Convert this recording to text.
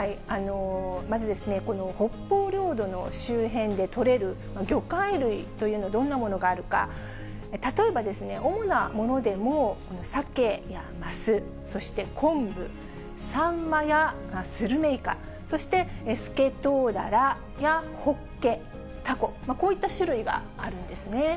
まず、この北方領土の周辺で取れる魚介類というのはどんなものがあるか、例えば、主なものでも、このサケやマス、そして昆布、サンマやスルメイカ、そしてスケトウダラやホッケ、タコ、こういった種類があるんですね。